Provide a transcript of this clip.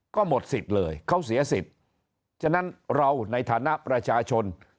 ก็หมดสิทธิ์เลยเขาเสียสิทธิ์ฉะนั้นเราในฐานะประชาชน